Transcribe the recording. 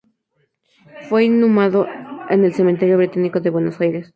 Fue inhumado en el cementerio Británico de Buenos Aires.